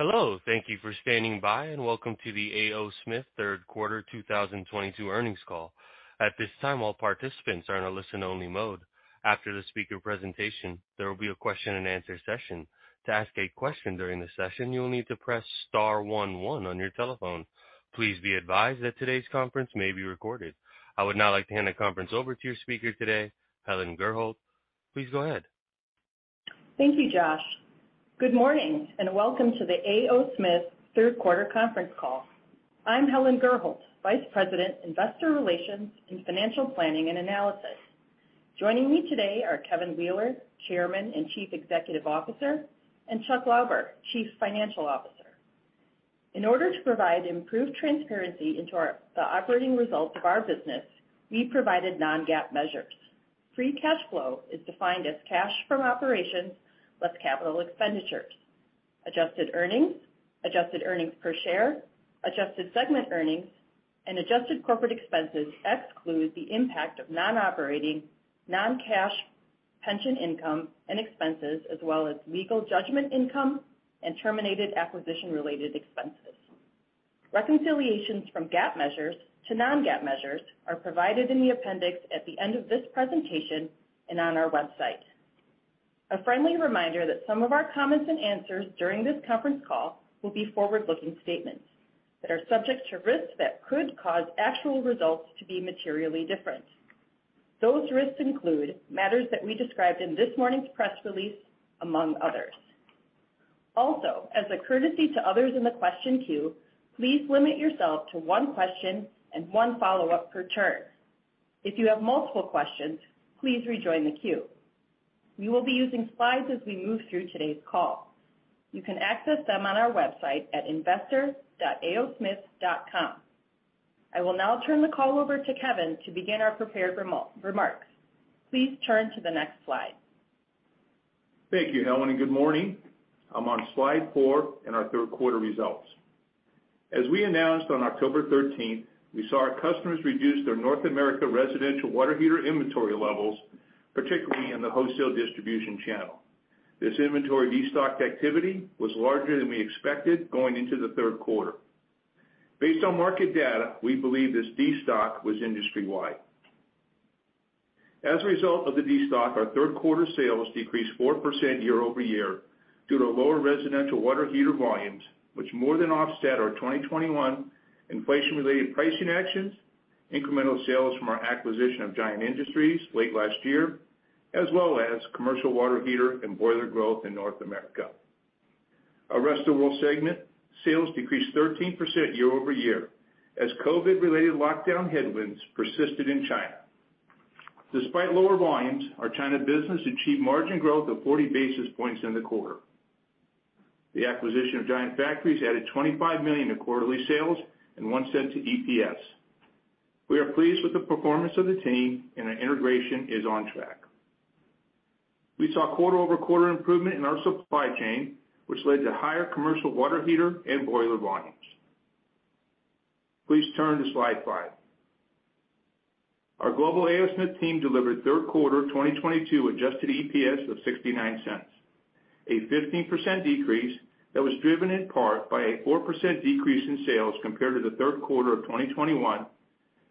Hello, thank you for standing by, and welcome to the A. O. Smith third quarter 2022 earnings call. At this time, all participants are in a listen-only mode. After the speaker presentation, there will be a question and answer session. To ask a question during the session, you will need to press star one one on your telephone. Please be advised that today's conference may be recorded. I would now like to hand the conference over to your speaker today, Helen Gurholt. Please go ahead. Thank you, Josh. Good morning, and welcome to the A. O. Smith third quarter conference call. I'm Helen Gurholt, Vice President, Investor Relations and Financial Planning and Analysis. Joining me today are Kevin Wheeler, Chairman and Chief Executive Officer, and Chuck Lauber, Chief Financial Officer. In order to provide improved transparency into the operating results of our business, we provided non-GAAP measures. Free cash flow is defined as cash from operations less capital expenditures. Adjusted earnings, adjusted earnings per share, adjusted segment earnings, and adjusted corporate expenses exclude the impact of non-operating, non-cash pension income and expenses, as well as legal judgment income and terminated acquisition-related expenses. Reconciliations from GAAP measures to non-GAAP measures are provided in the appendix at the end of this presentation and on our website. A friendly reminder that some of our comments and answers during this conference call will be forward-looking statements that are subject to risks that could cause actual results to be materially different. Those risks include matters that we described in this morning's press release, among others. Also, as a courtesy to others in the question queue, please limit yourself to one question and one follow-up per turn. If you have multiple questions, please rejoin the queue. We will be using slides as we move through today's call. You can access them on our website at investor.aosmith.com. I will now turn the call over to Kevin to begin our prepared remarks. Please turn to the next slide. Thank you, Helen, and good morning. I'm on slide four in our third quarter results. As we announced on October 13th, we saw our customers reduce their North America residential water heater inventory levels, particularly in the wholesale distribution channel. This inventory destock activity was larger than we expected going into the third quarter. Based on market data, we believe this destock was industry-wide. As a result of the destock, our third quarter sales decreased 4% year-over-year due to lower residential water heater volumes, which more than offset our 2021 inflation-related pricing actions, incremental sales from our acquisition of Giant Factories late last year, as well as commercial water heater and boiler growth in North America. Our Rest of World segment sales decreased 13% year-over-year as COVID-related lockdown headwinds persisted in China. Despite lower volumes, our China business achieved margin growth of 40 basis points in the quarter. The acquisition of Giant Factories added $25 million in quarterly sales and $0.01 to EPS. We are pleased with the performance of the team, and our integration is on track. We saw quarter-over-quarter improvement in our supply chain, which led to higher commercial water heater and boiler volumes. Please turn to slide five. Our global A. O. Smith team delivered third quarter 2022 adjusted EPS of $0.69, a 15% decrease that was driven in part by a 4% decrease in sales compared to the third quarter of 2021,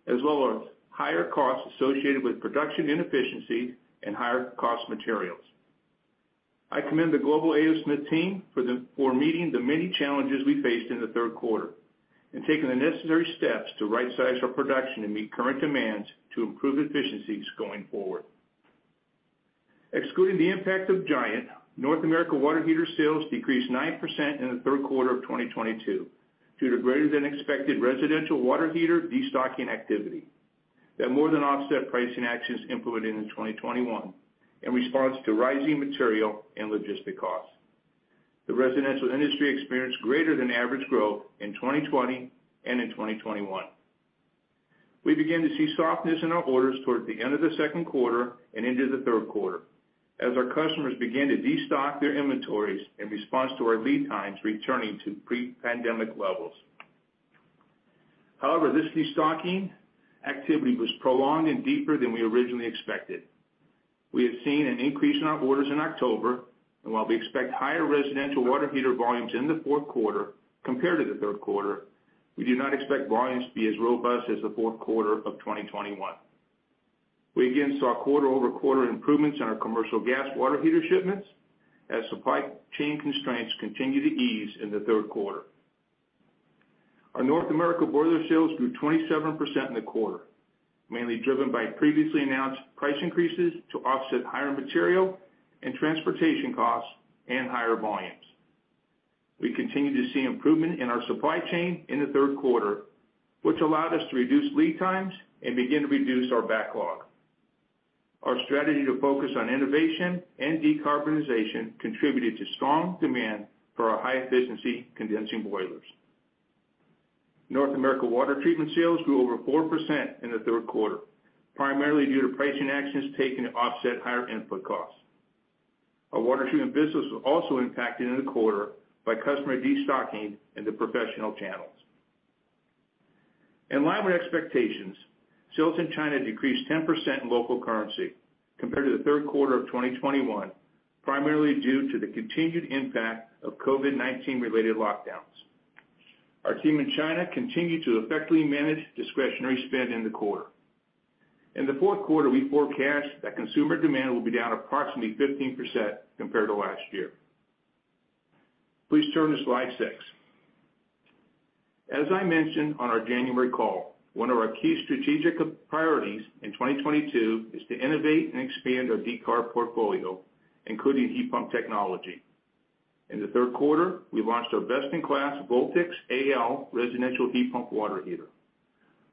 as well as higher costs associated with production inefficiency and higher cost materials. I commend the global A. O. Smith team for meeting the many challenges we faced in the third quarter and taking the necessary steps to right size our production and meet current demands to improve efficiencies going forward. Excluding the impact of Giant, North America water heater sales decreased 9% in the third quarter of 2022 due to greater than expected residential water heater destocking activity that more than offset pricing actions implemented in 2021 in response to rising material and logistics costs. The residential industry experienced greater than average growth in 2020 and in 2021. We began to see softness in our orders toward the end of the second quarter and into the third quarter as our customers began to destock their inventories in response to our lead times returning to pre-pandemic levels. However, this destocking activity was prolonged and deeper than we originally expected. We have seen an increase in our orders in October, and while we expect higher residential water heater volumes in the fourth quarter compared to the third quarter, we do not expect volumes to be as robust as the fourth quarter of 2021. We again saw quarter-over-quarter improvements in our commercial gas water heater shipments as supply chain constraints continued to ease in the third quarter. Our North America boiler sales grew 27% in the quarter, mainly driven by previously announced price increases to offset higher material and transportation costs and higher volumes. We continued to see improvement in our supply chain in the third quarter, which allowed us to reduce lead times and begin to reduce our backlog. Our strategy to focus on innovation and decarbonization contributed to strong demand for our high efficiency condensing boilers. North America water treatment sales grew over 4% in the third quarter, primarily due to pricing actions taken to offset higher input costs. Our water treatment business was also impacted in the quarter by customer destocking in the professional channels. In line with expectations, sales in China decreased 10% in local currency compared to the third quarter of 2021, primarily due to the continued impact of COVID-19 related lockdowns. Our team in China continued to effectively manage discretionary spend in the quarter. In the fourth quarter, we forecast that consumer demand will be down approximately 15% compared to last year. Please turn to slide six. As I mentioned on our January call, one of our key strategic priorities in 2022 is to innovate and expand our decarb portfolio, including heat pump technology. In the third quarter, we launched our best-in-class Voltex AL residential heat pump water heater.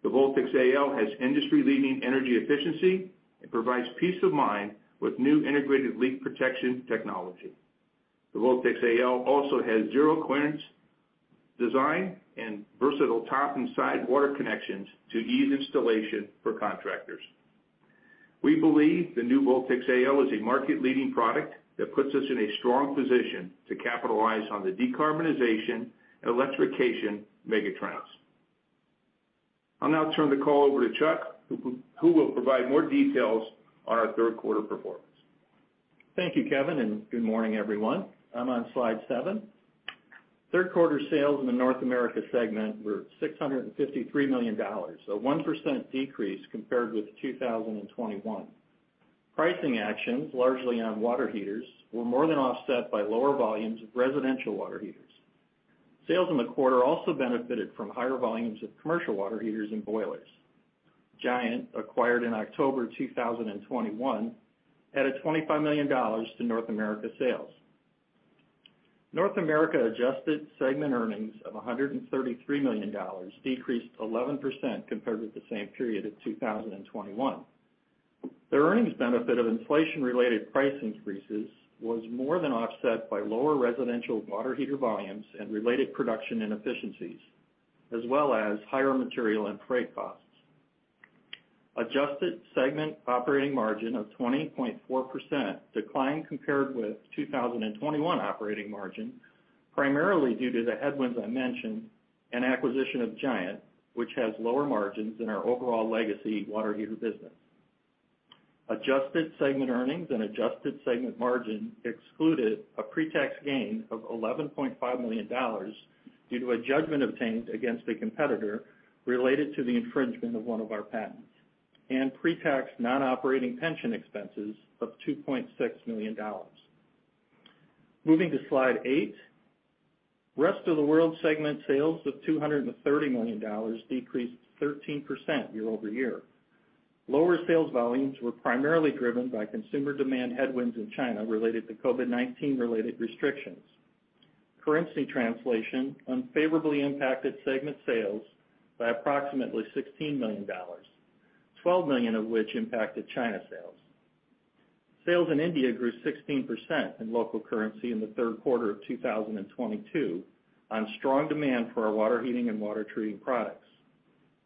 The Voltex AL has industry-leading energy efficiency and provides peace of mind with new integrated leak protection technology. The Voltex AL also has zero clearance design and versatile top and side water connections to ease installation for contractors. We believe the new Voltex AL is a market-leading product that puts us in a strong position to capitalize on the decarbonization and electrification megatrends. I'll now turn the call over to Chuck, who will provide more details on our third quarter performance. Thank you, Kevin, and good morning, everyone. I'm on slide seven. Third quarter sales in the North America segment were $653 million, a 1% decrease compared with 2021. Pricing actions, largely on water heaters, were more than offset by lower volumes of residential water heaters. Sales in the quarter also benefited from higher volumes of commercial water heaters and boilers. Giant, acquired in October 2021, added $25 million to North America sales. North America adjusted segment earnings of $133 million decreased 11% compared with the same period of 2021. The earnings benefit of inflation-related price increases was more than offset by lower residential water heater volumes and related production inefficiencies, as well as higher material and freight costs. Adjusted segment operating margin of 20.4% declined compared with 2021 operating margin, primarily due to the headwinds I mentioned and acquisition of Giant, which has lower margins than our overall legacy water heater business. Adjusted segment earnings and adjusted segment margin excluded a pre-tax gain of $11.5 million due to a judgment obtained against a competitor related to the infringement of one of our patents, and pre-tax non-operating pension expenses of $2.6 million. Moving to slide eight. Rest of World segment sales of $230 million decreased 13% year-over-year. Lower sales volumes were primarily driven by consumer demand headwinds in China related to COVID-19 related restrictions. Currency translation unfavorably impacted segment sales by approximately $16 million, $12 million of which impacted China sales. Sales in India grew 16% in local currency in the third quarter of 2022 on strong demand for our water heating and water treating products.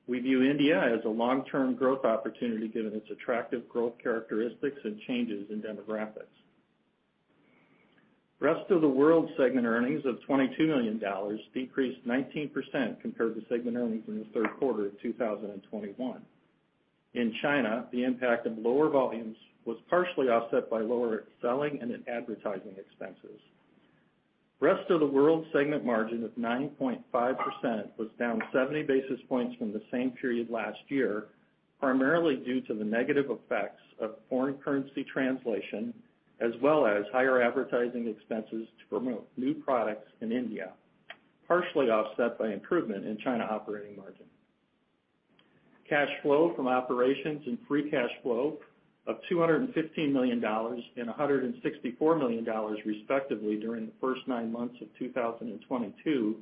We view India as a long-term growth opportunity given its attractive growth characteristics and changes in demographics. Rest of the World segment earnings of $22 million decreased 19% compared to segment earnings in the third quarter of 2021. In China, the impact of lower volumes was partially offset by lower selling and advertising expenses. Rest of the World segment margin of 9.5% was down 70 basis points from the same period last year, primarily due to the negative effects of foreign currency translation, as well as higher advertising expenses to promote new products in India, partially offset by improvement in China operating margin. Cash flow from operations and free cash flow of $215 million and $164 million, respectively, during the first nine months of 2022,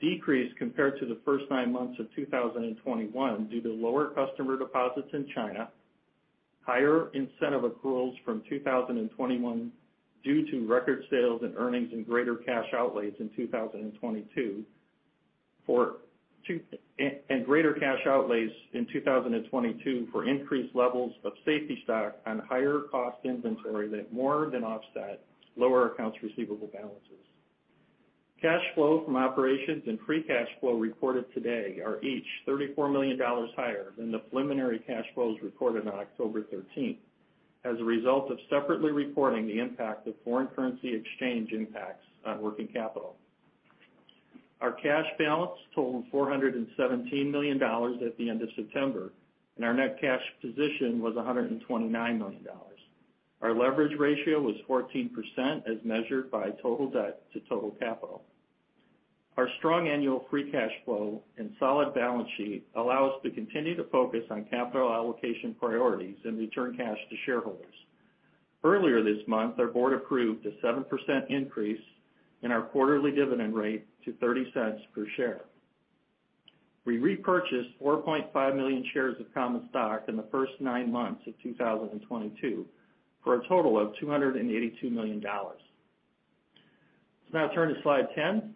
decreased compared to the first nine months of 2021 due to lower customer deposits in China, higher incentive accruals from 2021 due to record sales and earnings and greater cash outlays in 2022 for increased levels of safety stock on higher cost inventory that more than offset lower accounts receivable balances. Cash flow from operations and free cash flow reported today are each $34 million higher than the preliminary cash flows reported on October 13 as a result of separately reporting the impact of foreign currency exchange impacts on working capital. Our cash balance totaled $417 million at the end of September, and our net cash position was $129 million. Our leverage ratio was 14%, as measured by total debt to total capital. Our strong annual free cash flow and solid balance sheet allow us to continue to focus on capital allocation priorities and return cash to shareholders. Earlier this month, our board approved a 7% increase in our quarterly dividend rate to $0.30 per share. We repurchased 4.5 million shares of common stock in the first nine months of 2022, for a total of $282 million. Let's now turn to slide 10.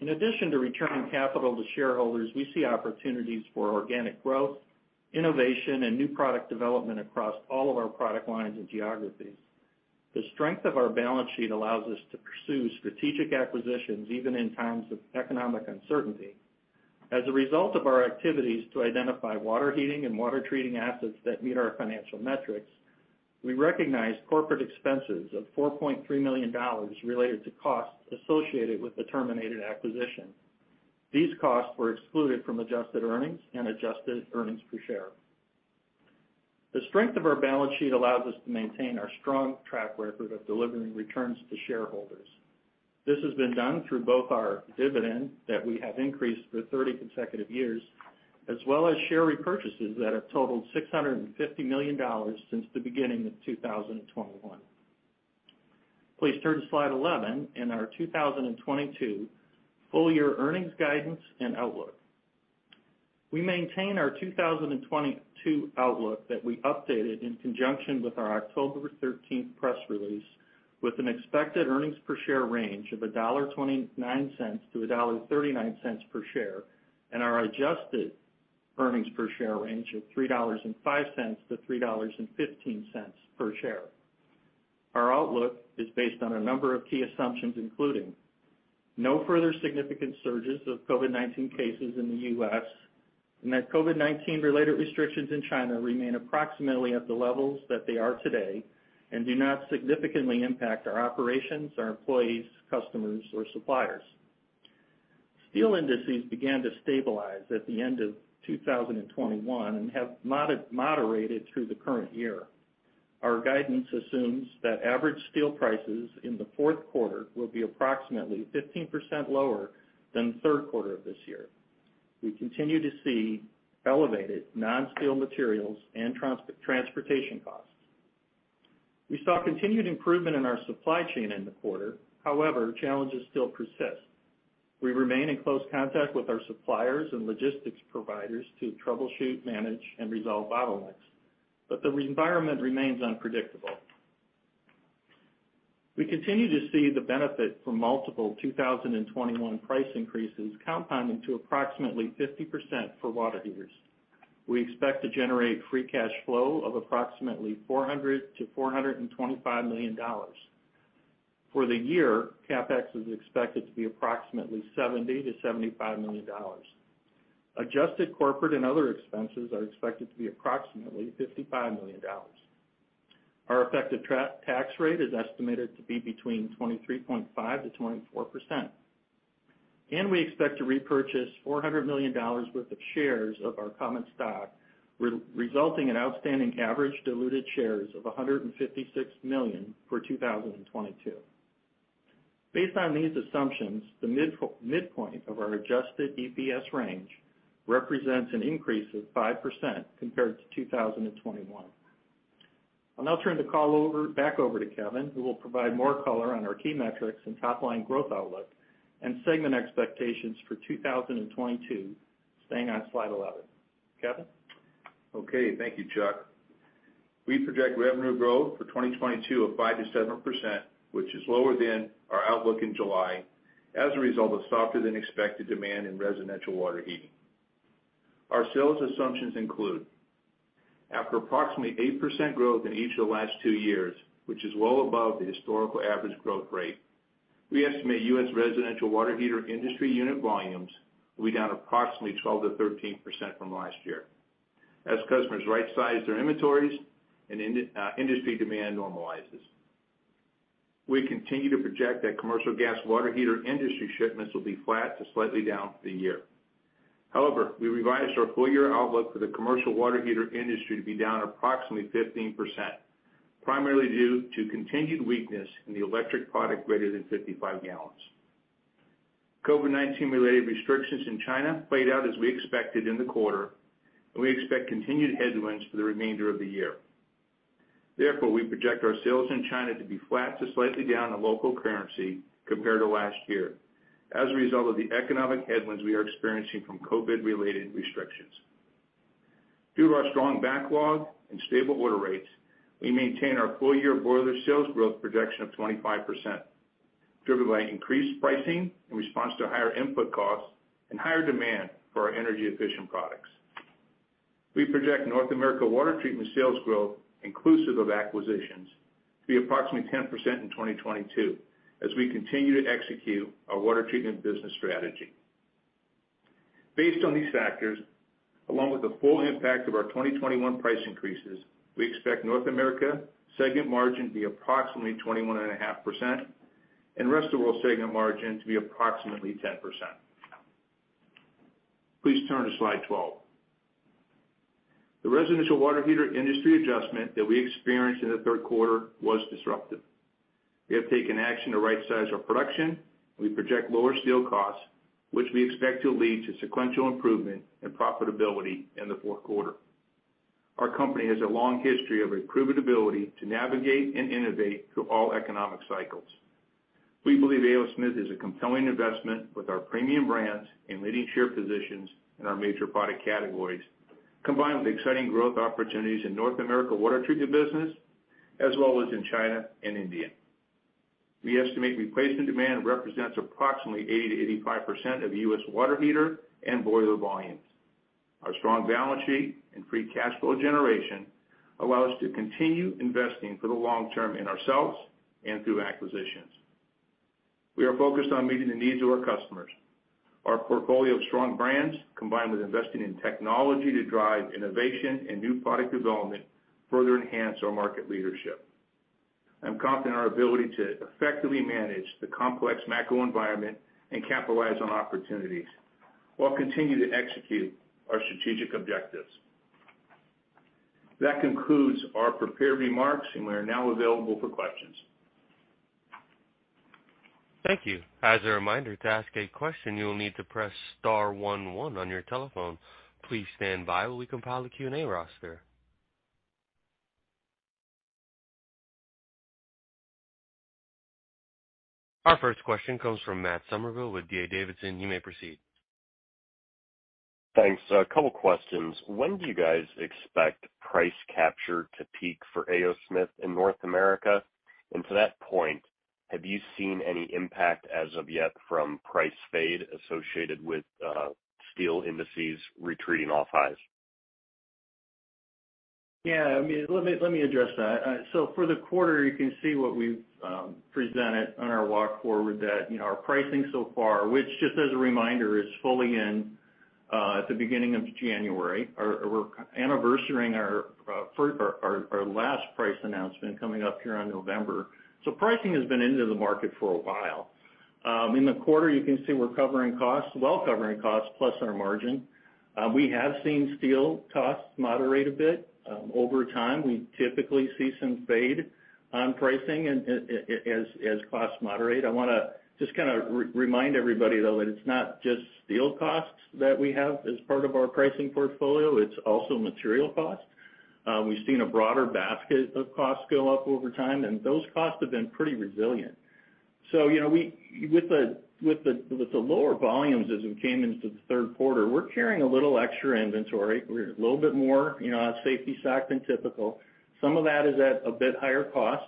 In addition to returning capital to shareholders, we see opportunities for organic growth, innovation, and new product development across all of our product lines and geographies. The strength of our balance sheet allows us to pursue strategic acquisitions even in times of economic uncertainty. As a result of our activities to identify water heating and water treating assets that meet our financial metrics, we recognize corporate expenses of $4.3 million related to costs associated with the terminated acquisition. These costs were excluded from adjusted earnings and adjusted earnings per share. The strength of our balance sheet allows us to maintain our strong track record of delivering returns to shareholders. This has been done through both our dividend that we have increased for 30 consecutive years, as well as share repurchases that have totaled $650 million since the beginning of 2021. Please turn to slide 11 in our 2022 full year earnings guidance and outlook. We maintain our 2022 outlook that we updated in conjunction with our October 13 press release, with an expected earnings per share range of $1.29-$1.39 per share, and our adjusted earnings per share range of $3.05-$3.15 per share. Our outlook is based on a number of key assumptions including no further significant surges of COVID-19 cases in the U.S., and that COVID-19 related restrictions in China remain approximately at the levels that they are today, and do not significantly impact our operations, our employees, customers, or suppliers. Steel indices began to stabilize at the end of 2021 and have moderated through the current year. Our guidance assumes that average steel prices in the fourth quarter will be approximately 15% lower than the third quarter of this year. We continue to see elevated non-steel materials and transportation costs. We saw continued improvement in our supply chain in the quarter, however, challenges still persist. We remain in close contact with our suppliers and logistics providers to troubleshoot, manage, and resolve bottlenecks, but the environment remains unpredictable. We continue to see the benefit from multiple 2021 price increases compounding to approximately 50% for water heaters. We expect to generate free cash flow of approximately $400 million-$425 million. For the year, CapEx is expected to be approximately $70 million-$75 million. Adjusted corporate and other expenses are expected to be approximately $55 million. Our effective tax rate is estimated to be between 23.5%-24%. We expect to repurchase $400 million worth of shares of our common stock, resulting in outstanding average diluted shares of $156 million for 2022. Based on these assumptions, the midpoint of our adjusted EPS range represents an increase of 5% compared to 2021. I'll now turn the call over, back over to Kevin, who will provide more color on our key metrics and top line growth outlook and segment expectations for 2022, staying on slide 11. Kevin? Okay. Thank you, Chuck. We project revenue growth for 2022 of 5%-7%, which is lower than our outlook in July as a result of softer than expected demand in residential water heating. Our sales assumptions include, after approximately 8% growth in each of the last two years, which is well above the historical average growth rate, we estimate U.S. residential water heater industry unit volumes will be down approximately 12%-13% from last year as customers right-size their inventories and industry demand normalizes. We continue to project that commercial gas water heater industry shipments will be flat to slightly down for the year. However, we revised our full year outlook for the commercial water heater industry to be down approximately 15%, primarily due to continued weakness in the electric product greater than 55 gal. COVID-19 related restrictions in China played out as we expected in the quarter, and we expect continued headwinds for the remainder of the year. Therefore, we project our sales in China to be flat to slightly down in local currency compared to last year as a result of the economic headwinds we are experiencing from COVID-related restrictions. Due to our strong backlog and stable order rates, we maintain our full year boiler sales growth projection of 25%, driven by increased pricing in response to higher input costs and higher demand for our energy efficient products. We project North America water treatment sales growth inclusive of acquisitions to be approximately 10% in 2022 as we continue to execute our water treatment business strategy. Based on these factors, along with the full impact of our 2021 price increases, we expect North America segment margin to be approximately 21.5%, and Rest of World segment margin to be approximately 10%. Please turn to slide 12. The residential water heater industry adjustment that we experienced in the third quarter was disruptive. We have taken action to right-size our production. We project lower steel costs, which we expect to lead to sequential improvement and profitability in the fourth quarter. Our company has a long history of a proven ability to navigate and innovate through all economic cycles. We believe A. O. Smith is a compelling investment with our premium brands and leading share positions in our major product categories, combined with exciting growth opportunities in North America water treatment business, as well as in China and India. We estimate replacement demand represents approximately 80%-85% of U.S. water heater and boiler volumes. Our strong balance sheet and free cash flow generation allow us to continue investing for the long term in ourselves and through acquisitions. We are focused on meeting the needs of our customers. Our portfolio of strong brands, combined with investing in technology to drive innovation and new product development, further enhance our market leadership. I'm confident in our ability to effectively manage the complex macro environment and capitalize on opportunities while continuing to execute our strategic objectives. That concludes our prepared remarks, and we are now available for questions. Thank you. As a reminder, to ask a question, you will need to press star one one on your telephone. Please stand by while we compile the Q&A roster. Our first question comes from Matt Summerville with D.A. Davidson. You may proceed. Thanks. A couple of questions. When do you guys expect price capture to peak for A. O. Smith in North America? To that point, have you seen any impact as of yet from price fade associated with steel indices retreating off highs? Yeah, I mean, let me address that. For the quarter, you can see what we've presented on our walk forward that, you know, our pricing so far, which just as a reminder, is fully in at the beginning of January. We're anniversary-ing our last price announcement coming up here on November. Pricing has been into the market for a while. In the quarter, you can see we're covering costs, well covering costs, plus our margin. We have seen steel costs moderate a bit. Over time, we typically see some fade on pricing as costs moderate. I wanna just kinda remind everybody, though, that it's not just steel costs that we have as part of our pricing portfolio, it's also material costs. We've seen a broader basket of costs go up over time, and those costs have been pretty resilient. You know, with the lower volumes as we came into the third quarter, we're carrying a little extra inventory. We're a little bit more, you know, safety stock than typical. Some of that is at a bit higher cost,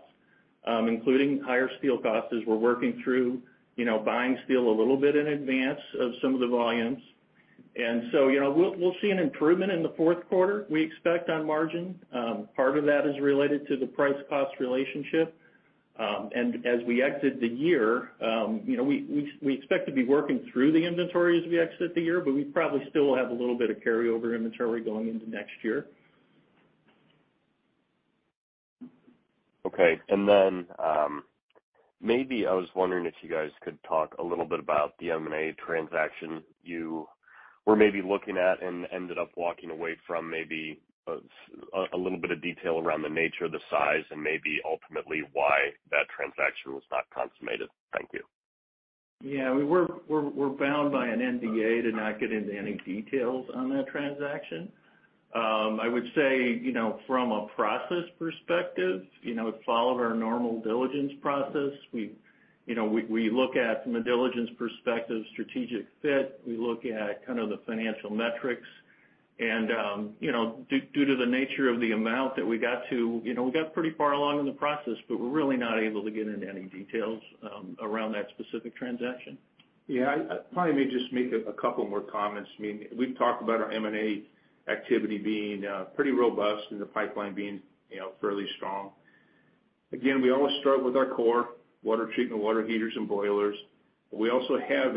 including higher steel costs as we're working through, you know, buying steel a little bit in advance of some of the volumes. You know, we'll see an improvement in the fourth quarter, we expect on margin. Part of that is related to the price-cost relationship. As we exit the year, you know, we expect to be working through the inventory as we exit the year, but we probably still have a little bit of carryover inventory going into next year. Okay. Maybe I was wondering if you guys could talk a little bit about the M&A transaction you were maybe looking at and ended up walking away from, maybe a little bit of detail around the nature, the size, and maybe ultimately why that transaction was not consummated. Thank you. Yeah, we're bound by an NDA to not get into any details on that transaction. I would say, you know, from a process perspective, you know, it followed our normal diligence process. We look at, from a diligence perspective, strategic fit, we look at kind of the financial metrics. You know, due to the nature of the amount that we got to, you know, we got pretty far along in the process, but we're really not able to get into any details around that specific transaction. Yeah. I probably may just make a couple more comments. I mean, we've talked about our M&A activity being pretty robust and the pipeline being, you know, fairly strong. Again, we always start with our core, water treatment, water heaters, and boilers. We also have,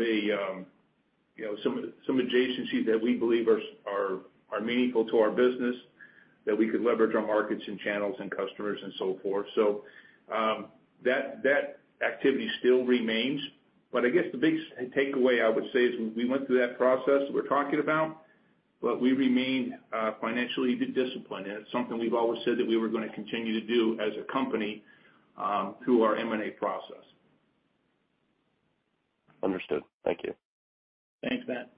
you know, some adjacencies that we believe are meaningful to our business that we could leverage our markets and channels and customers and so forth. That activity still remains. I guess the biggest takeaway, I would say, is we went through that process we're talking about, but we remained financially disciplined, and it's something we've always said that we were gonna continue to do as a company through our M&A process. Understood. Thank you. Thanks, Matt.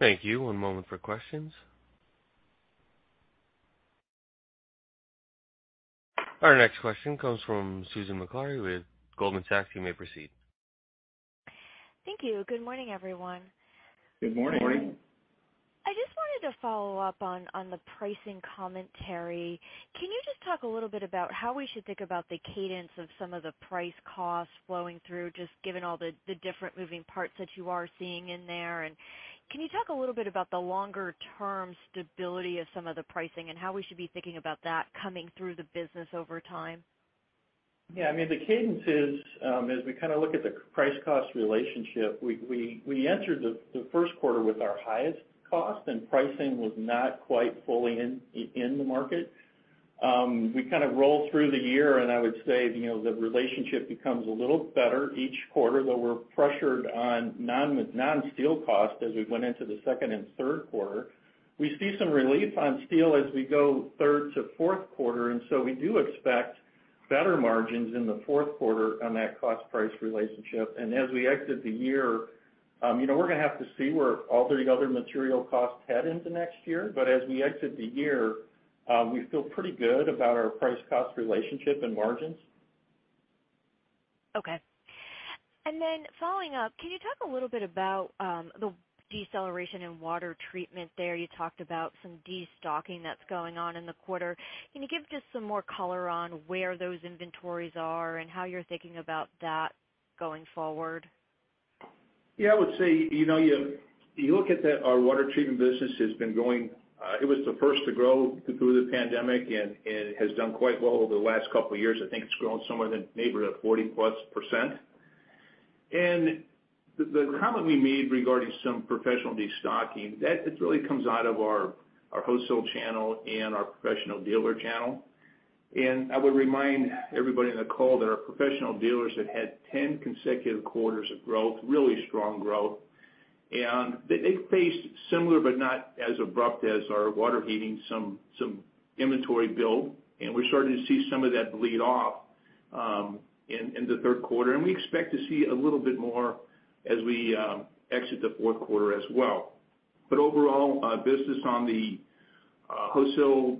Thank you. One moment for questions. Our next question comes from Susan Maklari with Goldman Sachs. You may proceed. Thank you. Good morning, everyone. Good morning. Good morning. I just wanted to follow up on the pricing commentary. Can you just talk a little bit about how we should think about the cadence of some of the price costs flowing through, just given all the different moving parts that you are seeing in there? Can you talk a little bit about the longer-term stability of some of the pricing and how we should be thinking about that coming through the business over time? Yeah, I mean, the cadence is as we kinda look at the price-cost relationship, we entered the first quarter with our highest cost, and pricing was not quite fully in the market. We kind of rolled through the year, and I would say, you know, the relationship becomes a little better each quarter, though we're pressured on non-steel costs as we went into the second and third quarter. We see some relief on steel as we go third to fourth quarter, and so we do expect better margins in the fourth quarter on that cost-price relationship. As we exit the year, you know, we're gonna have to see where all the other material costs head into next year. As we exit the year, we feel pretty good about our price-cost relationship and margins. Okay. Following up, can you talk a little bit about the deceleration in water treatment there? You talked about some destocking that's going on in the quarter. Can you give just some more color on where those inventories are and how you're thinking about that going forward? Yeah, I would say, you know, you look at that, our water treatment business has been going, it was the first to grow through the pandemic and has done quite well over the last couple of years. I think it's grown somewhere in the neighborhood of +40%. The comment we made regarding some professional destocking, that just really comes out of our wholesale channel and our professional dealer channel. I would remind everybody on the call that our professional dealers have had 10 consecutive quarters of growth, really strong growth. They faced similar but not as abrupt as our water heating, some inventory build, and we're starting to see some of that bleed off in the third quarter, and we expect to see a little bit more as we exit the fourth quarter as well. Overall, our business on the wholesale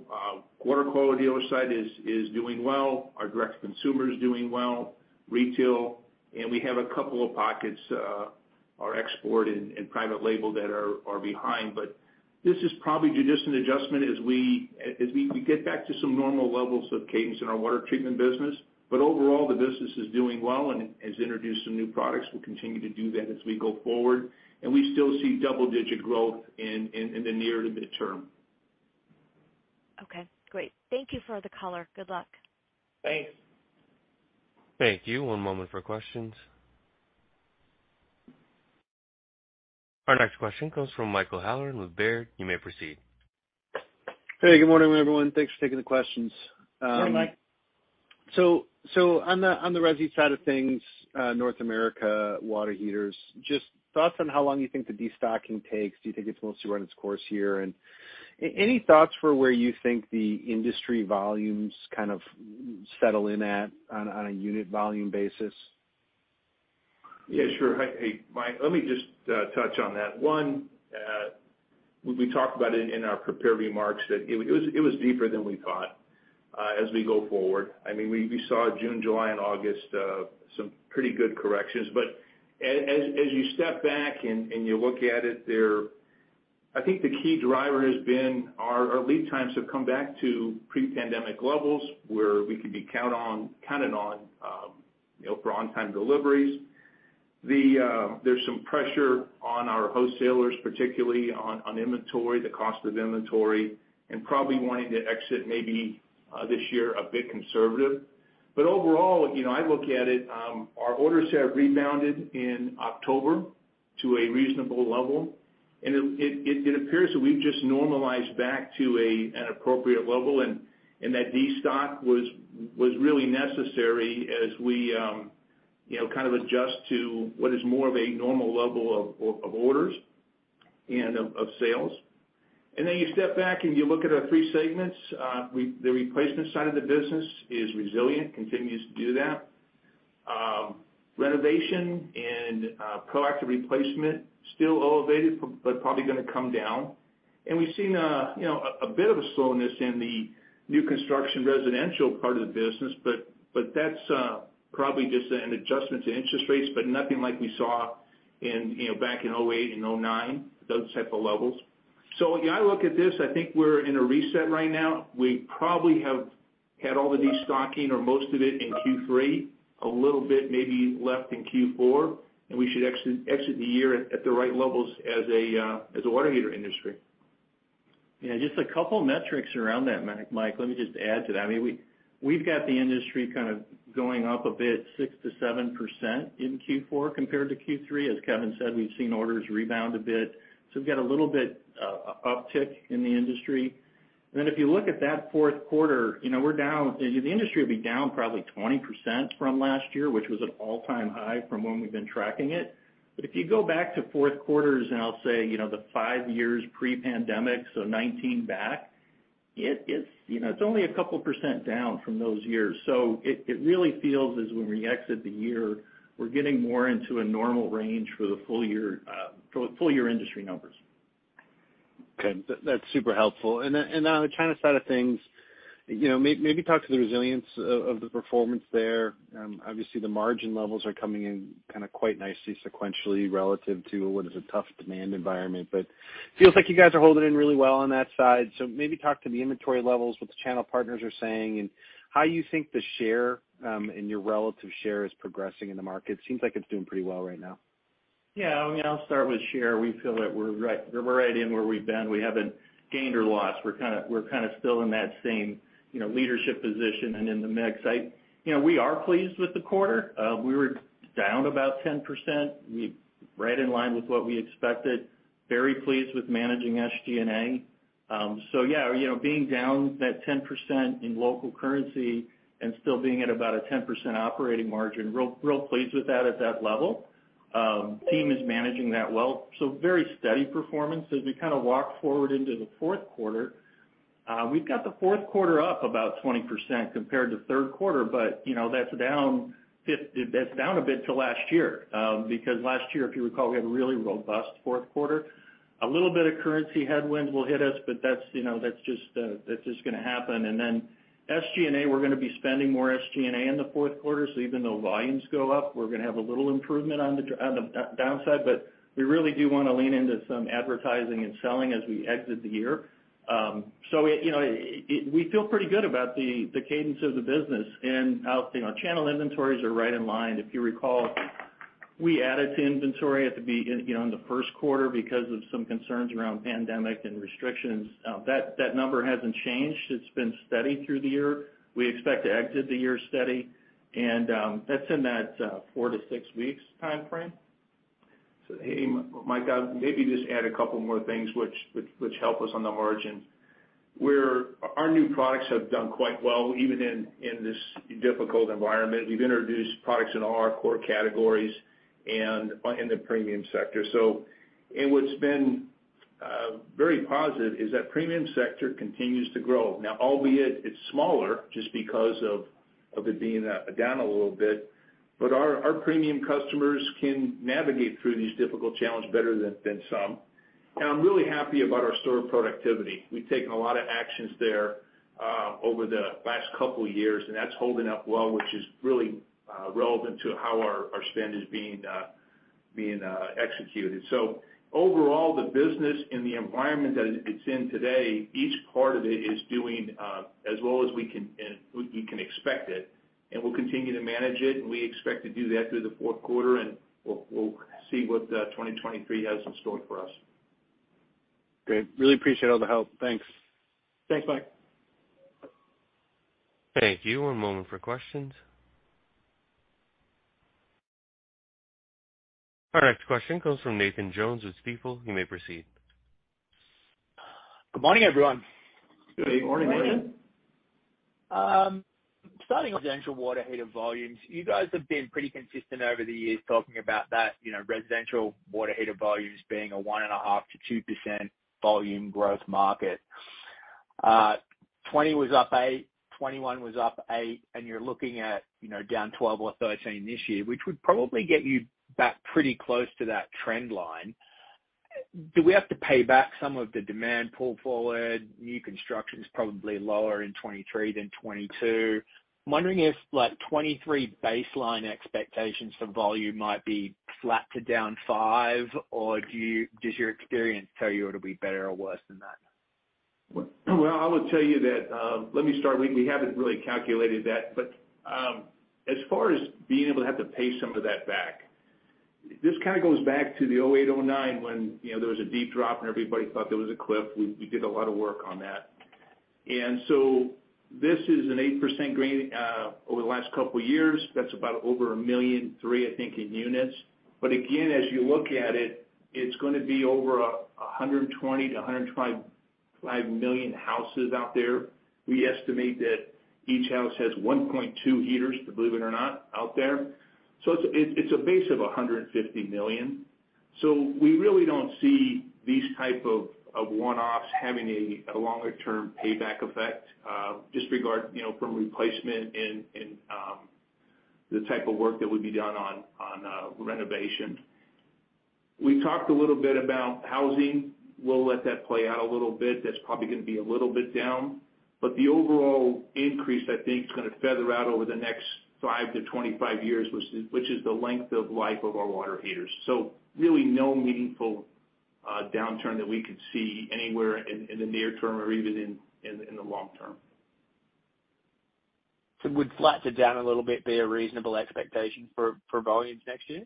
water quality dealer side is doing well. Our direct consumer is doing well, retail, and we have a couple of pockets, our export and private label that are behind. This is probably just an adjustment as we get back to some normal levels of cadence in our water treatment business. Overall, the business is doing well and has introduced some new products. We'll continue to do that as we go forward. We still see double-digit growth in the near to midterm. Okay, great. Thank you for the color. Good luck. Thanks. Thank you. One moment for questions. Our next question comes from Michael Halloran with Baird. You may proceed. Hey, good morning, everyone. Thanks for taking the questions. Good morning, Mike. On the resi side of things, North America water heaters, just thoughts on how long you think the destocking takes. Do you think it's mostly run its course here? any thoughts for where you think the industry volumes kind of settle in at on a unit volume basis? Yeah, sure. Hey, Mike, let me just touch on that. One, we talked about it in our prepared remarks that it was deeper than we thought, as we go forward. I mean, we saw June, July and August, some pretty good corrections. As you step back and you look at it there, I think the key driver has been our lead times have come back to pre-pandemic levels where we can be counted on, you know, for on-time deliveries. There's some pressure on our wholesalers, particularly on inventory, the cost of inventory, and probably wanting to exit maybe this year a bit conservative. Overall, you know, I look at it, our orders have rebounded in October to a reasonable level, and it appears that we've just normalized back to an appropriate level and that destock was really necessary as we, you know, kind of adjust to what is more of a normal level of orders and of sales. You step back and you look at our three segments. The replacement side of the business is resilient, continues to do that. Renovation and proactive replacement still elevated, but probably gonna come down. We've seen, you know, a bit of a slowness in the new construction residential part of the business, but that's probably just an adjustment to interest rates, but nothing like we saw in, you know, back in 2008 and 2009, those type of levels. Yeah, I look at this, I think we're in a reset right now. We probably have had all the destocking or most of it in Q3, a little bit maybe left in Q4, and we should exit the year at the right levels as a water heater industry. Yeah, just a couple of metrics around that, Mike, let me just add to that. I mean, we've got the industry kind of going up a bit 6%-7% in Q4 compared to Q3. As Kevin said, we've seen orders rebound a bit, so we've got a little bit uptick in the industry. Then if you look at that fourth quarter, you know, we're down, the industry will be down probably 20% from last year, which was an all-time high from when we've been tracking it. If you go back to fourth quarters, and I'll say, you know, the five years pre-pandemic, so 2019 back, it is, you know, it's only a couple percent down from those years. It really feels as when we exit the year, we're getting more into a normal range for the full year, for full year industry numbers. Okay. That's super helpful. Then, on the China side of things, you know, maybe talk to the resilience of the performance there. Obviously the margin levels are coming in kinda quite nicely sequentially relative to what is a tough demand environment. Feels like you guys are holding in really well on that side. Maybe talk to the inventory levels, what the channel partners are saying, and how you think the share, and your relative share is progressing in the market. Seems like it's doing pretty well right now. Yeah. I mean, I'll start with share. We feel that we're right in where we've been. We haven't gained or lost. We're kinda still in that same, you know, leadership position and in the mix. You know, we are pleased with the quarter. We were down about 10%. Right in line with what we expected. Very pleased with managing SG&A. So yeah, you know, being down that 10% in local currency and still being at about a 10% operating margin, real pleased with that at that level. Team is managing that well. Very steady performance. As we kinda walk forward into the fourth quarter, we've got the fourth quarter up about 20% compared to third quarter. You know, that's down a bit to last year, because last year, if you recall, we had a really robust fourth quarter. A little bit of currency headwind will hit us, but that's, you know, that's just gonna happen. Then SG&A, we're gonna be spending more SG&A in the fourth quarter. Even though volumes go up, we're gonna have a little improvement on the downside, but we really do wanna lean into some advertising and selling as we exit the year. You know, we feel pretty good about the cadence of the business and how, you know, our channel inventories are right in line. If you recall, we added to inventory in, you know, in the first quarter because of some concerns around pandemic and restrictions. That number hasn't changed. It's been steady through the year. We expect to exit the year steady, and that's in that four to six weeks timeframe. Hey, Mike, I'll maybe just add a couple more things which help us on the margin. Our new products have done quite well, even in this difficult environment. We've introduced products in all our core categories and in the premium sector. What's been very positive is that premium sector continues to grow. Now, albeit it's smaller just because of it being down a little bit, but our premium customers can navigate through these difficult challenges better than some. I'm really happy about our store productivity. We've taken a lot of actions there over the last couple years, and that's holding up well, which is really relevant to how our spend is being executed. Overall, the business and the environment that it's in today, each part of it is doing as well as we can and we can expect it, and we'll continue to manage it, and we expect to do that through the fourth quarter, and we'll see what 2023 has in store for us. Great. Really appreciate all the help. Thanks. Thanks, Mike. Thank you. One moment for questions. Our next question comes from Nathan Jones with Stifel. You may proceed. Good morning, everyone. Good morning, Nathan. Good morning. Starting with residential water heater volumes, you guys have been pretty consistent over the years talking about that, you know, residential water heater volumes being a 1.5%-2% volume growth market. 2020 was up 8%, 2021 was up 8%, and you're looking at, you know, down 12% or 13% this year, which would probably get you back pretty close to that trend line. Do we have to pay back some of the demand pull forward? New construction's probably lower in 2023 than 2022. I'm wondering if, like, 2023 baseline expectations for volume might be flat to down 5%, or do you—does your experience tell you it'll be better or worse than that? Well, I would tell you that, let me start. We haven't really calculated that, but, as far as being able to have to pay some of that back, this kind of goes back to the 2008, 2009 when, you know, there was a deep drop and everybody thought there was a cliff. We did a lot of work on that. This is an 8% gain over the last couple years. That's about $1.3 million, I think, in units. But again, as you look at it's gonna be over $120-$125 million houses out there. We estimate that each house has 1.2 heaters, believe it or not, out there. It's a base of $150 million. We really don't see these type of one-offs having a longer term payback effect, just regardless, you know, from replacement and the type of work that would be done on renovation. We talked a little bit about housing. We'll let that play out a little bit. That's probably gonna be a little bit down. The overall increase, I think, is gonna feather out over the next five to 25 years, which is the length of life of our water heaters. Really no meaningful downturn that we could see anywhere in the near term or even in the long term. Would flat to down a little bit be a reasonable expectation for volumes next year?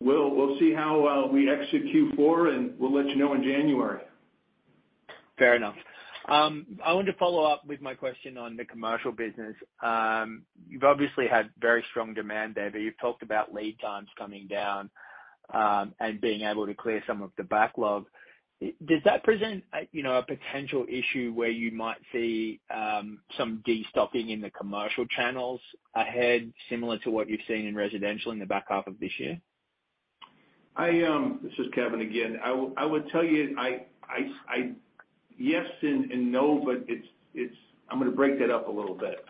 We'll see how we execute Q4, and we'll let you know in January. Fair enough. I want to follow up with my question on the commercial business. You've obviously had very strong demand there, but you've talked about lead times coming down, and being able to clear some of the backlog. Does that present, you know, a potential issue where you might see some destocking in the commercial channels ahead, similar to what you've seen in residential in the back half of this year? This is Kevin again. I would tell you yes and no, but it's. I'm gonna break that up a little bit.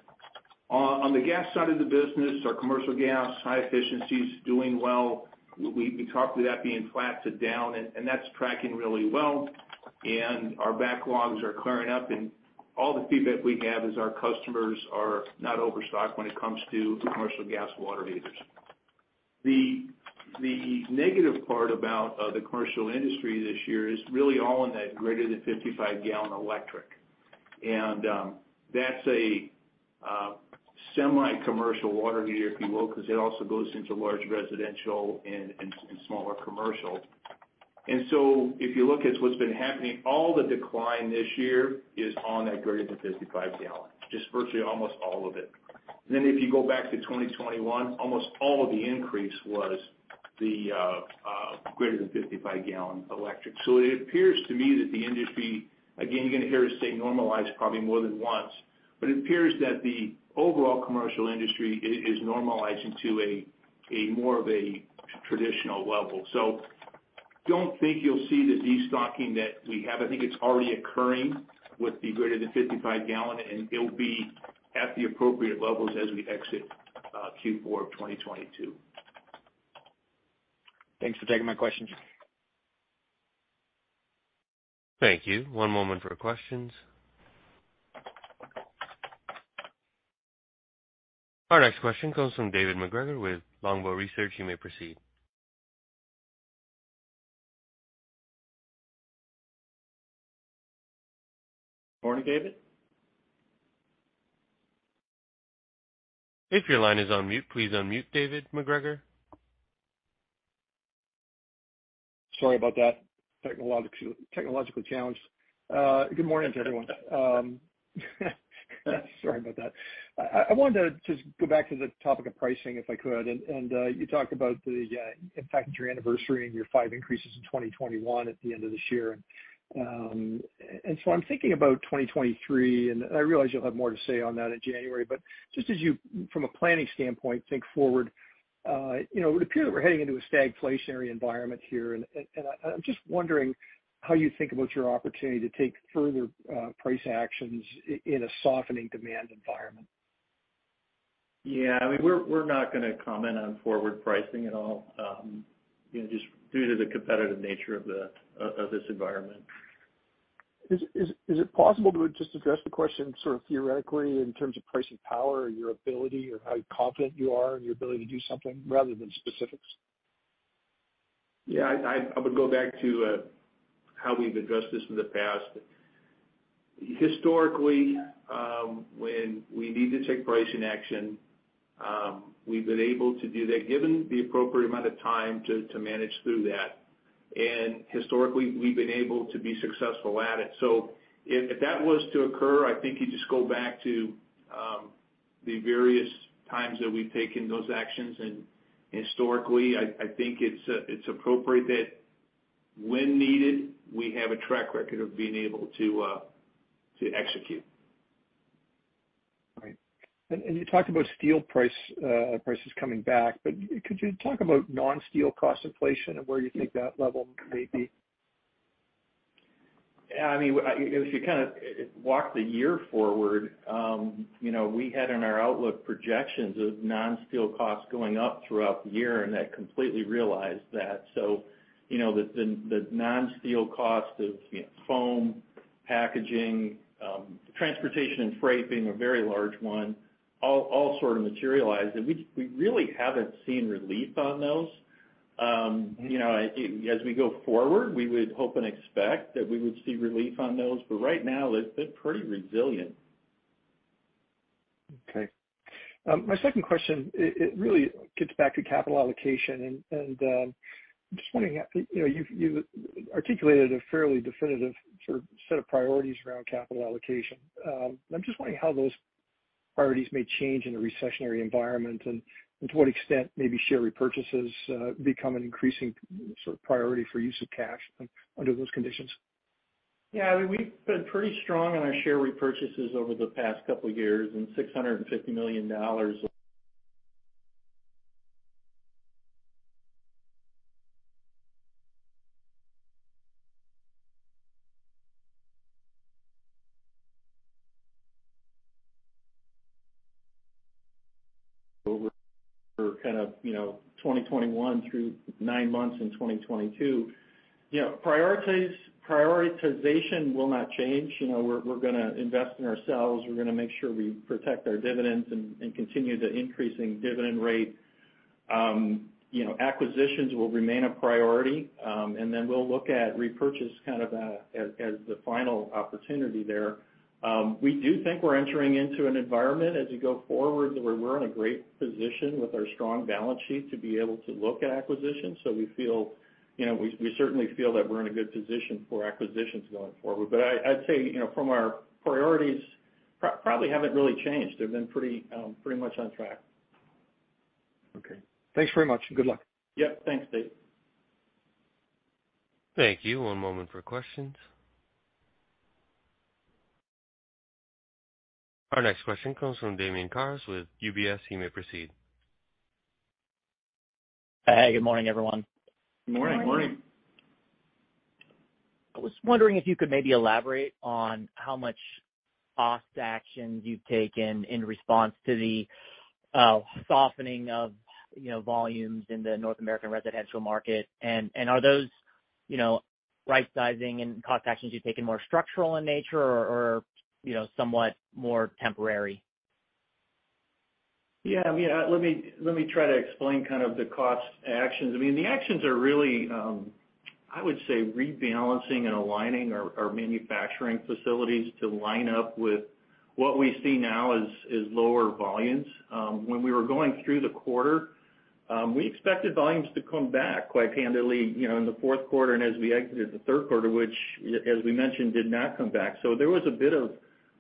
On the gas side of the business, our commercial gas high efficiency's doing well. We talk to that being flat to down, and that's tracking really well. Our backlogs are clearing up, and all the feedback we have is our customers are not overstocked when it comes to commercial gas water heaters. The negative part about the commercial industry this year is really all in that greater than 55 gal electric. That's a semi-commercial water heater, if you will, because it also goes into large residential and smaller commercial. If you look at what's been happening, all the decline this year is on that greater than 55 gal, just virtually almost all of it. If you go back to 2021, almost all of the increase was the greater than 55-gal electric. It appears to me that the industry, again, you're gonna hear us say normalize probably more than once, but it appears that the overall commercial industry is normalizing to a more of a traditional level. Don't think you'll see the destocking that we have. I think it's already occurring with the greater than 55 gal, and it'll be at the appropriate levels as we exit. Q4 of 2022. Thanks for taking my questions. Thank you. One moment for questions. Our next question comes from David MacGregor with Longbow Research. You may proceed. Morning, David. If your line is on mute, please unmute David MacGregor. Sorry about that. Technologically challenged. Good morning to everyone. Sorry about that. I wanted to just go back to the topic of pricing, if I could. You talked about the impact of your anniversary and your five increases in 2021 at the end of this year. I'm thinking about 2023, and I realize you'll have more to say on that in January. Just as you, from a planning standpoint, think forward, you know, it would appear that we're heading into a stagflationary environment here. I'm just wondering how you think about your opportunity to take further price actions in a softening demand environment. Yeah, I mean, we're not gonna comment on forward pricing at all, you know, just due to the competitive nature of this environment. Is it possible to just address the question sort of theoretically in terms of pricing power or your ability or how confident you are in your ability to do something rather than specifics? Yeah, I would go back to how we've addressed this in the past. Historically, when we need to take pricing action, we've been able to do that, given the appropriate amount of time to manage through that. Historically, we've been able to be successful at it. If that was to occur, I think you just go back to the various times that we've taken those actions. Historically, I think it's appropriate that when needed, we have a track record of being able to execute. You talked about steel prices coming back, but could you talk about non-steel cost inflation and where you think that level may be? Yeah, I mean, if you kind of walk the year forward, you know, we had in our outlook projections of non-steel costs going up throughout the year, and that completely realized that. You know, the non-steel cost of, you know, foam, packaging, transportation and freight being a very large one, all sort of materialized. We really haven't seen relief on those. You know, as we go forward, we would hope and expect that we would see relief on those, but right now they've been pretty resilient. Okay. My second question, it really gets back to capital allocation. I'm just wondering, you know, you've articulated a fairly definitive sort of set of priorities around capital allocation. I'm just wondering how those priorities may change in a recessionary environment and to what extent maybe share repurchases become an increasing sort of priority for use of cash under those conditions. Yeah. We've been pretty strong on our share repurchases over the past couple of years, and $650 million over kind of, you know, 2021 through nine months in 2022. You know, prioritization will not change. You know, we're gonna invest in ourselves. We're gonna make sure we protect our dividends and continue the increasing dividend rate. You know, acquisitions will remain a priority, and then we'll look at repurchase kind of as the final opportunity there. We do think we're entering into an environment as we go forward, where we're in a great position with our strong balance sheet to be able to look at acquisitions. We feel, you know, we certainly feel that we're in a good position for acquisitions going forward. I'd say, you know, from our priorities probably haven't really changed. They've been pretty much on track. Okay. Thanks very much. Good luck. Yep. Thanks, Dave. Thank you. One moment for questions. Our next question comes from Damian Karas with UBS. You may proceed. Hey, good morning, everyone. Good morning. Morning. I was wondering if you could maybe elaborate on how much cost actions you've taken in response to the softening of, you know, volumes in the North American residential market? Are those, you know, right sizing and cost actions you've taken more structural in nature or, you know, somewhat more temporary? Yeah, I mean, let me try to explain kind of the cost actions. I mean, the actions are really, I would say rebalancing and aligning our manufacturing facilities to line up with what we see now as lower volumes. When we were going through the quarter, we expected volumes to come back quite handily, you know, in the fourth quarter and as we exited the third quarter, which as we mentioned, did not come back. There was a bit of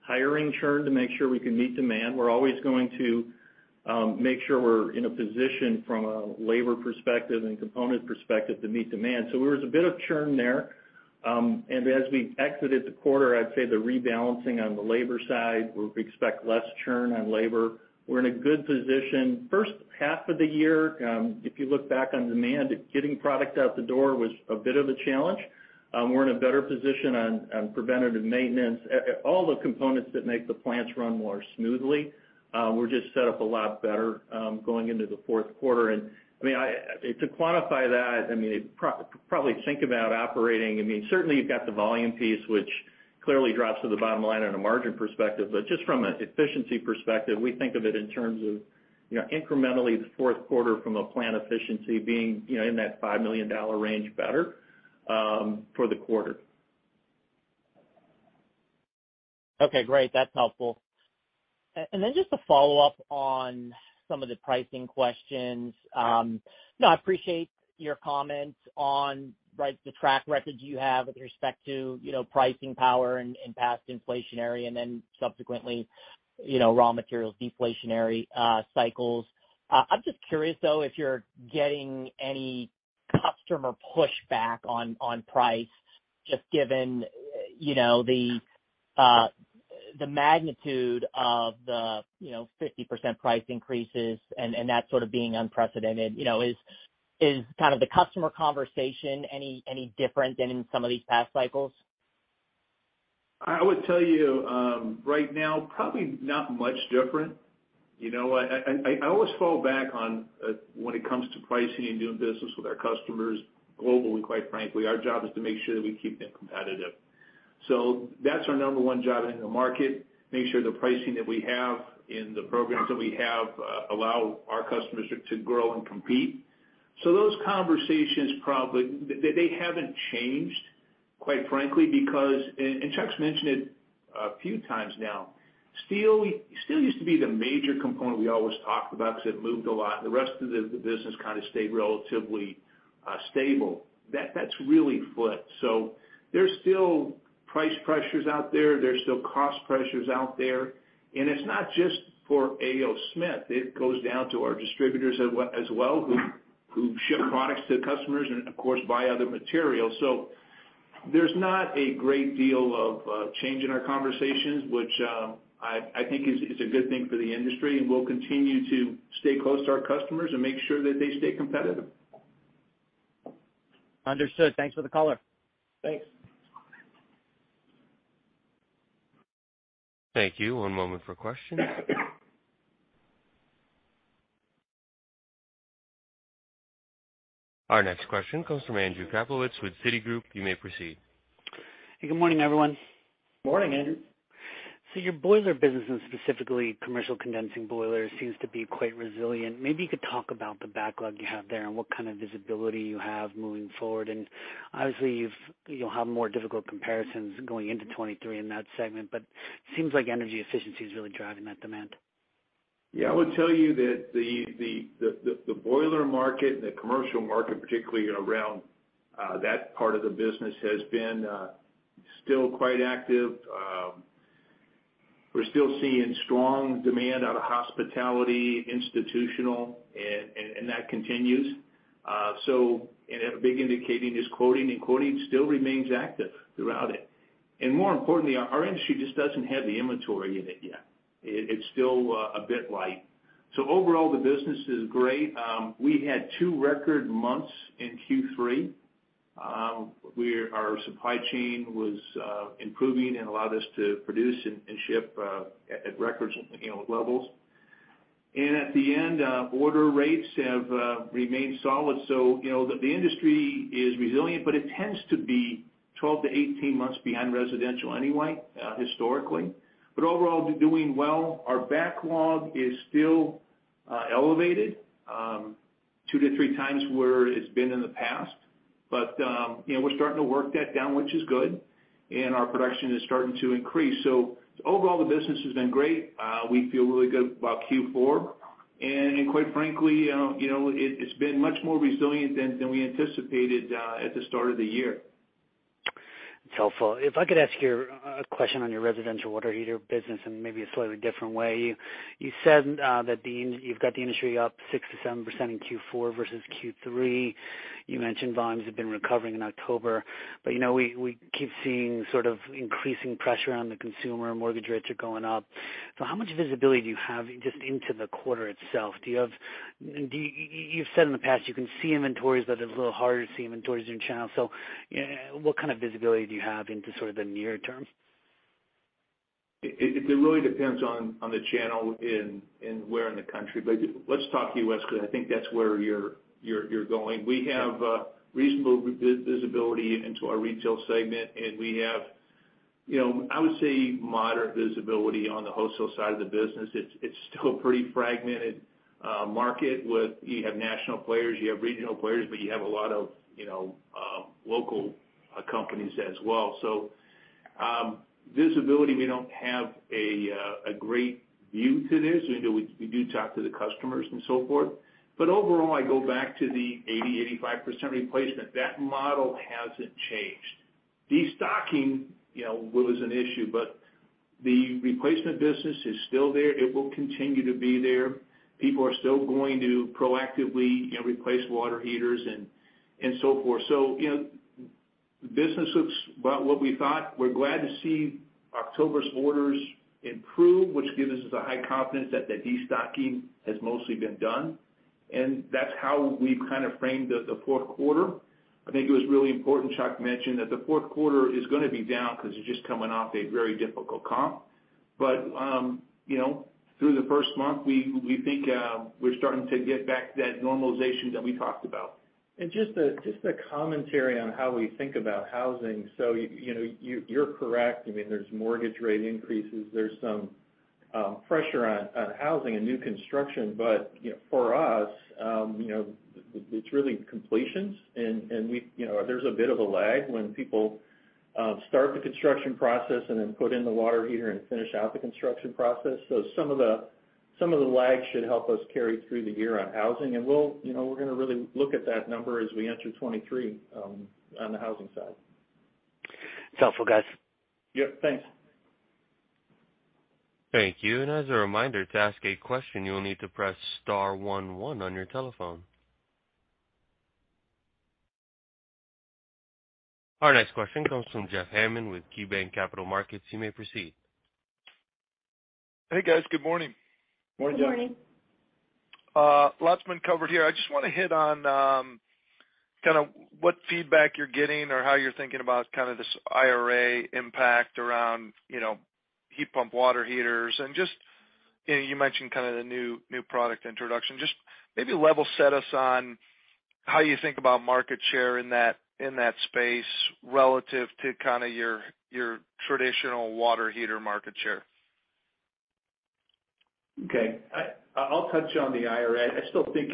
hiring churn to make sure we could meet demand. We're always going to make sure we're in a position from a labor perspective and component perspective to meet demand. There was a bit of churn there. As we exited the quarter, I'd say the rebalancing on the labor side, we expect less churn on labor. We're in a good position. First half of the year, if you look back on demand, getting product out the door was a bit of a challenge. We're in a better position on preventative maintenance. All the components that make the plants run more smoothly, we're just set up a lot better going into the fourth quarter. I mean, to quantify that, I mean, probably think about operating. I mean, certainly you've got the volume piece, which clearly drops to the bottom line on a margin perspective. Just from an efficiency perspective, we think of it in terms of, you know, incrementally the fourth quarter from a plant efficiency being, you know, in that $5 million range better for the quarter. Okay, great. That's helpful. Just a follow-up on some of the pricing questions. No, I appreciate your comments on, right, the track record you have with respect to, you know, pricing power and past inflationary, and then subsequently, you know, raw materials deflationary cycles. I'm just curious though, if you're getting any customer pushback on price, just given, you know, the magnitude of the, you know, 50% price increases and that sort of being unprecedented. You know, is kind of the customer conversation any different than in some of these past cycles? I would tell you, right now, probably not much different. You know, I always fall back on, when it comes to pricing and doing business with our customers globally, quite frankly, our job is to make sure that we keep them competitive. That's our number one job in the market, make sure the pricing that we have and the programs that we have, allow our customers to grow and compete. Those conversations probably haven't changed, quite frankly, because Chuck's mentioned it a few times now. Steel used to be the major component we always talked about because it moved a lot. The rest of the business kind of stayed relatively stable. That's really flipped. There's still price pressures out there. There's still cost pressures out there. It's not just for A. O. Smith. It goes down to our distributors as well, who ship products to customers and of course buy other materials. There's not a great deal of change in our conversations, which, I think is a good thing for the industry, and we'll continue to stay close to our customers and make sure that they stay competitive. Understood. Thanks for the color. Thanks. Thank you. One moment for questions. Our next question comes from Andrew Kaplowitz with Citigroup. You may proceed. Good morning, everyone. Morning, Andrew. Your boiler business, and specifically commercial condensing boilers, seems to be quite resilient. Maybe you could talk about the backlog you have there and what kind of visibility you have moving forward. Obviously, you'll have more difficult comparisons going into 2023 in that segment, but seems like energy efficiency is really driving that demand. Yeah, I would tell you that the boiler market and the commercial market, particularly around that part of the business has been still quite active. We're still seeing strong demand out of hospitality, institutional, and that continues. A big indicator is quoting, and quoting still remains active throughout it. More importantly, our industry just doesn't have the inventory in it yet. It's still a bit light. Overall, the business is great. We had two record months in Q3, where our supply chain was improving and allowed us to produce and ship at record, you know, levels. At the end, order rates have remained solid. You know, the industry is resilient, but it tends to be 12-18 months behind residential anyway, historically. But overall, they're doing well. Our backlog is still elevated, 2x-3x where it's been in the past. You know, we're starting to work that down, which is good, and our production is starting to increase. Overall, the business has been great. We feel really good about Q4. Quite frankly, you know, it's been much more resilient than we anticipated at the start of the year. That's helpful. If I could ask you a question on your residential water heater business in maybe a slightly different way. You said that you've got the industry up 6%-7% in Q4 versus Q3. You mentioned volumes have been recovering in October. You know, we keep seeing sort of increasing pressure on the consumer. Mortgage rates are going up. How much visibility do you have just into the quarter itself? You've said in the past you can see inventories, but it's a little harder to see inventories in channel. What kind of visibility do you have into sort of the near term? It really depends on the channel and where in the country. Let's talk U.S. because I think that's where you're going. We have reasonable visibility into our retail segment, and we have, you know, I would say moderate visibility on the wholesale side of the business. It's still a pretty fragmented market with national players, regional players, but you have a lot of, you know, local companies as well. Visibility, we don't have a great view to this. We do talk to the customers and so forth. Overall, I go back to the 80%-85% replacement. That model hasn't changed. Destocking, you know, was an issue, but the replacement business is still there. It will continue to be there. People are still going to proactively, you know, replace water heaters and so forth. You know, business looks about what we thought. We're glad to see October's orders improve, which gives us a high confidence that the destocking has mostly been done. That's how we've kind of framed the fourth quarter. I think it was really important Chuck mentioned that the fourth quarter is gonna be down 'cause you're just coming off a very difficult comp. You know, through the first month, we think we're starting to get back that normalization that we talked about. Just a commentary on how we think about housing. You know, you're correct. I mean, there's mortgage rate increases, there's some pressure on housing and new construction. You know, for us, you know, it's really completions and there's a bit of a lag when people start the construction process and then put in the water heater and finish out the construction process. Some of the lag should help us carry through the year on housing. You know, we're gonna really look at that number as we enter 2023 on the housing side. It's helpful, guys. Yep, thanks. Thank you. As a reminder, to ask a question, you will need to press star one one on your telephone. Our next question comes from Jeff Hammond with KeyBanc Capital Markets. You may proceed. Hey, guys. Good morning. Morning, Jeff. Good morning. Lots been covered here. I just wanna hit on, kinda what feedback you're getting or how you're thinking about kinda this IRA impact around, you know, heat pump water heaters. Just, you know, you mentioned kinda the new product introduction. Just maybe level set us on how you think about market share in that space relative to kinda your traditional water heater market share. Okay. I'll touch on the IRA. I still think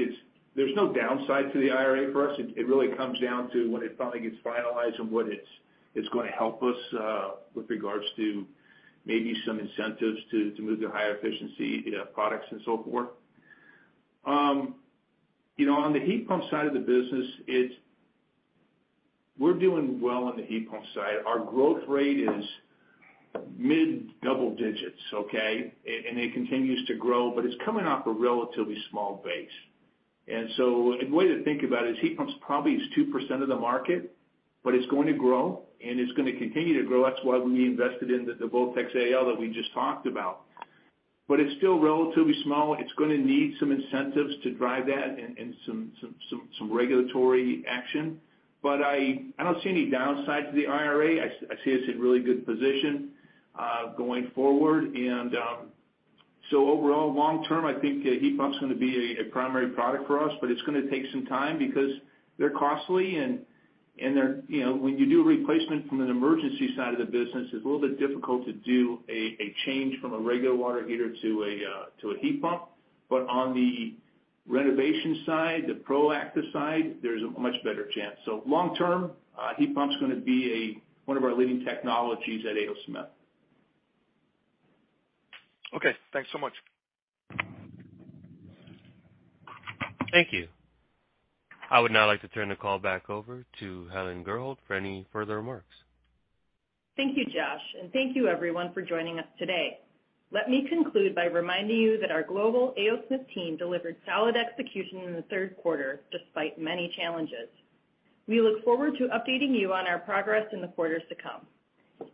there's no downside to the IRA for us. It really comes down to when it finally gets finalized and what it's gonna help us with regards to maybe some incentives to move to higher efficiency, you know, products and so forth. You know, on the heat pump side of the business, we're doing well on the heat pump side. Our growth rate is mid double digits, okay? It continues to grow, but it's coming off a relatively small base. A way to think about it is heat pumps probably is 2% of the market, but it's going to grow, and it's gonna continue to grow. That's why we invested in the Voltex AL that we just talked about. It's still relatively small. It's gonna need some incentives to drive that and some regulatory action. I don't see any downside to the IRA. I see us in really good position going forward. Overall, long term, I think heat pump's gonna be a primary product for us, but it's gonna take some time because they're costly and they're you know, when you do a replacement from an emergency side of the business, it's a little bit difficult to do a change from a regular water heater to a heat pump. On the renovation side, the proactive side, there's a much better chance. Long term, heat pump's gonna be one of our leading technologies at A. O. Smith. Okay, thanks so much. Thank you. I would now like to turn the call back over to Helen Gurholt for any further remarks. Thank you, Josh. Thank you everyone for joining us today. Let me conclude by reminding you that our global A. O. Smith team delivered solid execution in the third quarter, despite many challenges. We look forward to updating you on our progress in the quarters to come.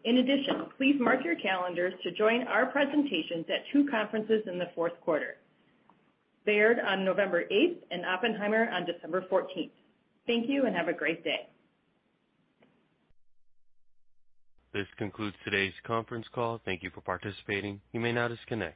In addition, please mark your calendars to join our presentations at two conferences in the fourth quarter, Baird on November 8th and Oppenheimer on December 14th. Thank you and have a great day. This concludes today's conference call. Thank you for participating. You may now disconnect.